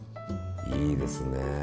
いいですね。